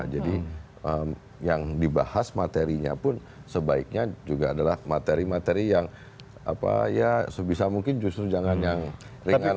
jadi yang dibahas materinya pun sebaiknya juga adalah materi materi yang apa ya sebisa mungkin justru jangan yang ringan